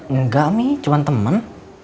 enggak mi cuma temen